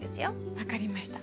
分かりました。